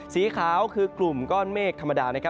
สีขาวคือกลุ่มก้อนเมฆธรรมดา